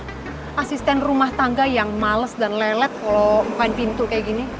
kok asisten rumah tangga yang males dan lelet kalo mukain pintu kayak gini